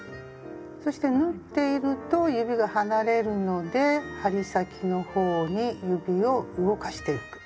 そして縫っていると指が離れるので針先の方に指を動かしてゆく。